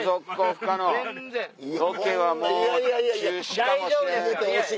大丈夫ですから！